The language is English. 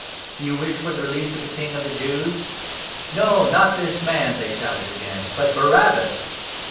Do you wish for the release of the King of the Jews ?"" No, not this man," they shouted again, " but Barabbas